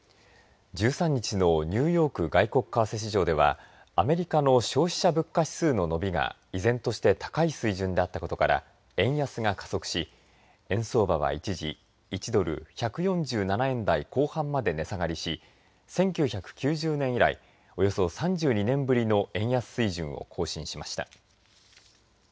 １３日のニューヨーク外国為替市場ではアメリカの消費者物価指数の伸びが依然として高い水準だったことから円安が加速し円相場は一時１ドル１４７円台後半まで値下がりし１９９０年以来およそ３２年ぶりの円安水準を更新しました。